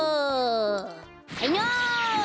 はいの！